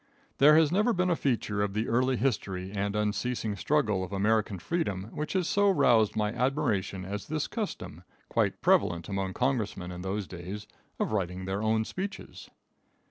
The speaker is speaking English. There has never been a feature of the early history and unceasing struggle for American freedom which has so roused my admiration as this custom, quite prevalent among congressmen in those days, of writing their own speeches.